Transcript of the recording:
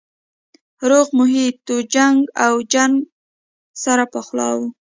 روغ محیط و جنګ او چنګ سره پخلا وو